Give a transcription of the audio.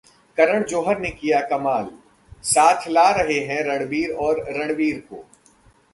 करण जौहर ने किया कमाल, साथ ला रहे हैं रणबीर और रणवीर को